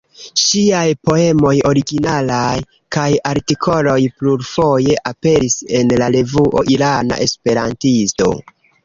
Ŝiaj poemoj originalaj kaj artikoloj plurfoje aperis en la revuo "Irana Esperantisto".